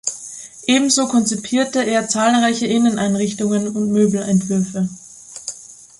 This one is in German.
Ebenso konzipierte er zahlreiche Inneneinrichtungen und Möbelentwürfe.